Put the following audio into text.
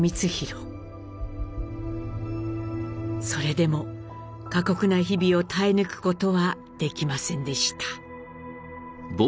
それでも過酷な日々を耐え抜くことはできませんでした。